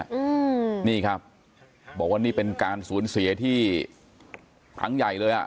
อืมนี่ครับบอกว่านี่เป็นการสูญเสียที่ครั้งใหญ่เลยอ่ะ